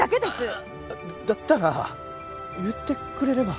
あぁだったら言ってくれれば。